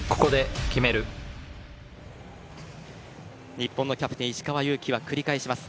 日本のキャプテン石川祐希は繰り返します。